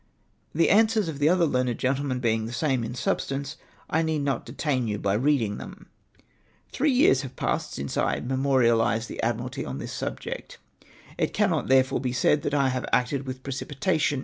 The answers of the other learned gentlemen being the same in substance, I need not detain you by reading them. " Three years have passed since I memorialised the Ad miralty on this subject ; it cannot therefore be said that I have acted with precipitation.